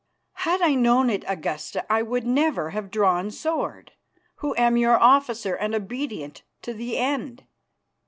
"Had I known it, Augusta, I would never have drawn sword, who am your officer and obedient to the end."